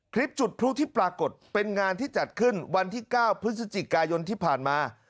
คลิปจุดพลุที่ปรากฏเป็นงานที่จัดขึ้นวันที่๙พฤศจิกายนที่ผ่านมา